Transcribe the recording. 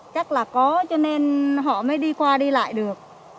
chắc là có cho nên họ mới đi qua đi lại được